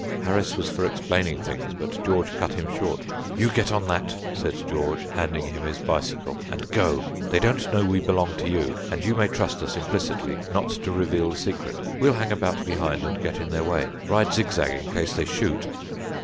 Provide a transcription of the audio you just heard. Harris was for explaining things, but George cut him short. "You get on that," said George, handing him his bicycle, "and go. They don't know we belong to you, and you may trust us implicitly not to reveal the secret. We'll hang about behind, and get in their way. Ride zig zag in case they shoot."